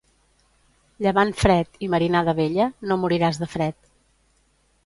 Llevant fred i marinada vella, no moriràs de fred.